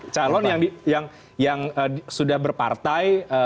calon yang sudah berpartai